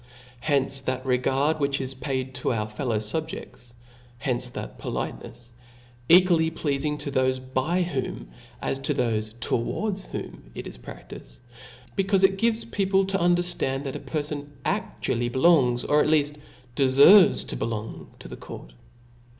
Hence that regard, which is paid, to our fallow fu5je(flai hence that politenefs, equally pfeaC ing to thofe by whom, as to thofe towards whoni, jt is praftifed; becaufe it gives people to under fl:and, th^f a pcrfon . actually belongs, or ^t leaft defervcs to belor>g> to the court.